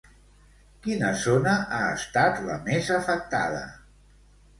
Quina zona ha estat la més afectada?